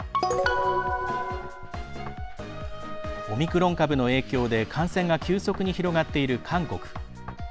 オミクロン株の影響で感染が急速に広がっている韓国。